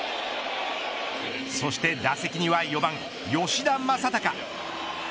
そして打席には４番、吉田正尚。